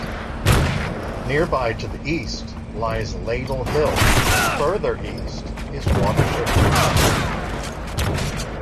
Nearby to the east lies Ladle Hill and further east is Watership Down.